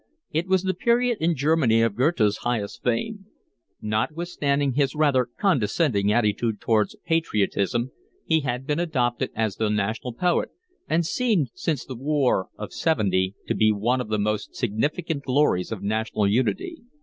It was the period in Germany of Goethe's highest fame. Notwithstanding his rather condescending attitude towards patriotism he had been adopted as the national poet, and seemed since the war of seventy to be one of the most significant glories of national unity.